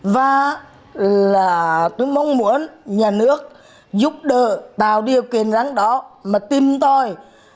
và tôi mong muốn nhà nước giúp đỡ tạo điều kiện rắn đó mà tìm tôi